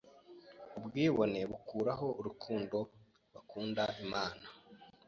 ubwibone bukuraho urukundo bakunda Imana